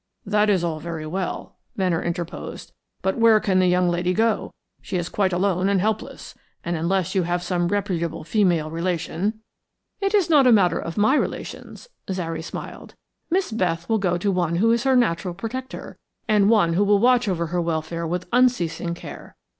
"That is all very well," Venner interposed, "but where can the young lady go? She is quite alone and helpless, and unless you have some reputable female relation " "It is not a matter of my relations," Zary smiled. "Miss Beth will go to one who is her natural protector, and one who will watch over her welfare with unceasing care.